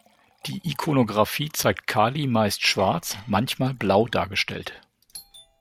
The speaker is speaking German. Die Ikonographie zeigt Kali meist schwarz, manchmal blau dargestellt.